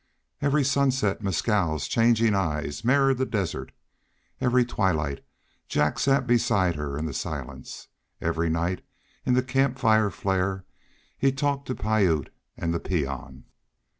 Every sunset Mescal's changing eyes mirrored the desert. Every twilight Jack sat beside her in the silence; every night, in the camp fire flare, he talked to Piute and the peon.